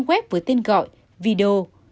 trang web với tên gọi vido